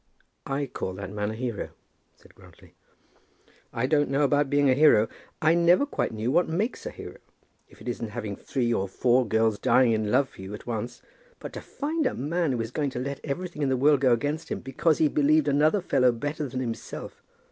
"I call that man a hero," said Grantly. "I don't know about being a hero. I never quite knew what makes a hero, if it isn't having three or four girls dying in love for you at once. But to find a man who was going to let everything in the world go against him, because he believed another fellow better than himself!